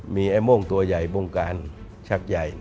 มีไอ้โม่งตัวใหญ่บ่งการชักใหญ่